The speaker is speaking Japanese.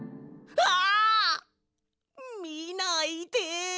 あ！みないで。